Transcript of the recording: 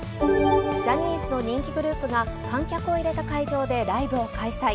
ジャニーズの人気グループが、観客を入れた会場でライブを開催。